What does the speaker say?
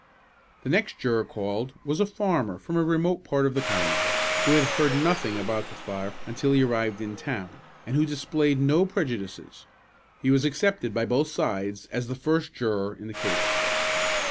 The next juror called was a farmer from a remote part of the county, who had heard nothing about the fire until he arrived in town, and who displayed no prejudices. He was accepted by both sides as the first juror in the case.